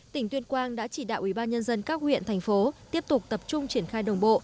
tỉnh tuyên quang đã chỉ đạo ủy ban nhân dân các huyện thành phố tiếp tục tập trung triển khai đồng bộ